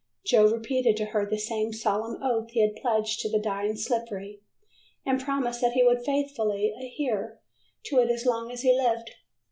Joe repeated to her the same solemn oath he had pledged to the dying Slippery, and promised that he would faithfully adhere to it as long as he lived.